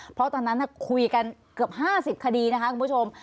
เพราะตอนนั้นคุยกันเกือบ๕๐คดีนะคะคุณผู้ชม